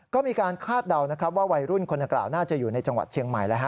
ก็มีการคาดเดานะครับว่าวัยรุ่นคนกล่าวน่าจะอยู่ในจังหวัดเชียงใหม่